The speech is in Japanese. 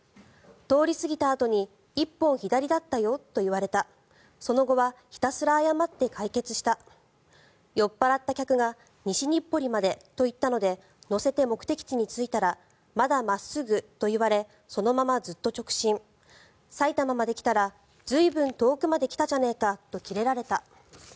通り過ぎたあとに１本左だったよと言われたその後はひたすら謝って解決した酔っ払った客が西日暮里までと言ったので乗せて、目的地に着いたらまだ真っすぐと言われそのままずっと直進埼玉まで来たらずいぶん遠くまで来たじゃねえかとキレられた。